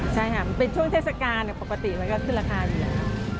ใช่ค่ะมันเป็นช่วงเทศกาเนี่ยปกติมันก็ขึ้นราคานิดหน่อย